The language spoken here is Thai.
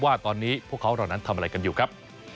ว่าตอนนี้พวกเขาเหล่านั้นทำอะไรกันอยู่ครับ